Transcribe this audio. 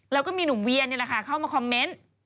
แล้วก็มีหนุ่มเวียนี่แหละค่ะเข้ามาคอมเมนต์